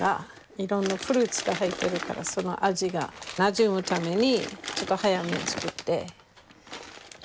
いろんなフルーツが入ってるからその味がなじむためにちょっと早めに作って。